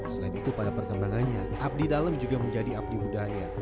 selain itu pada perkembangannya abdi dalem juga menjadi abdi budaya